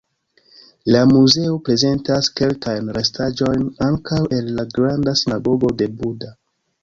La muzeo prezentas kelkajn restaĵojn ankaŭ el la "granda sinagogo de Buda".